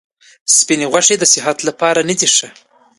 سپیني غوښي د صحت لپاره نه دي ښه.